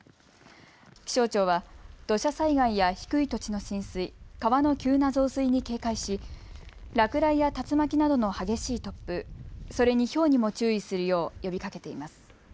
気象庁は土砂災害や低い土地の浸水、川の急な増水に警戒し落雷や竜巻などの激しい突風、それにひょうにも注意するよう呼びかけています。